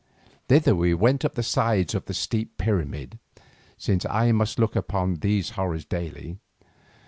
Thither we went up the sides of the steep pyramid, since I must look upon these horrors daily.